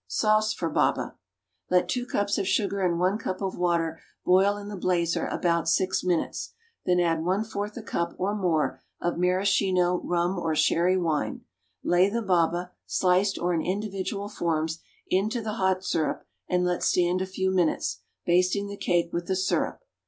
=SAUCE FOR BABA.= Let two cups of sugar and one cup of water boil in the blazer about six minutes, then add one fourth a cup, or more, of maraschino, rum or sherry wine. Lay the baba, sliced or in individual forms, into the hot syrup and let stand a few minutes, basting the cake with the syrup.